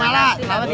makasih pak ji